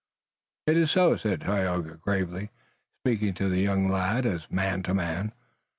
"It is so," said Tayoga gravely, speaking to the young lad as man to man.